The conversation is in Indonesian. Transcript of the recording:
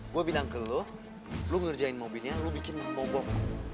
gua bilang ke lu lu ngerjain mobilnya lu bikin mahbobok